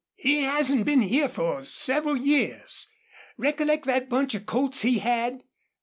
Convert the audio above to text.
"He hasn't been here fer several years. Recollect thet bunch of colts he had?